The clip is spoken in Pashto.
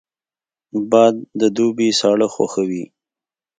باد د دوبي ساړه خوښوي